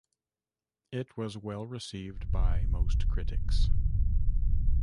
It was well received by most critics.